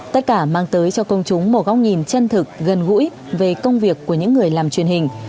tất cả mang tới cho công chúng một góc nhìn chân thực gần gũi về công việc của những người làm truyền hình